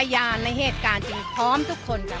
พยานในเหตุการณ์จริงพร้อมทุกคนค่ะ